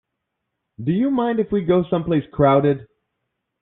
Do you mind if we go someplace crowded?